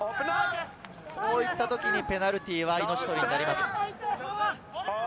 こういったところのペナルティーは命取りになります。